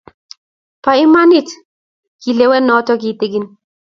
Po imanit kilewonotok kitigin